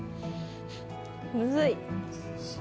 むずい。